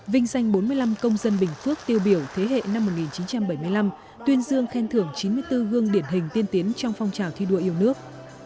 vinh danh bốn mươi năm công dân bình phước tiêu biểu thế hệ năm một nghìn chín trăm bảy mươi năm tuyên dương khen thưởng chín mươi bốn gương điển hình tiên tiến trong phong trào thi đua yêu nước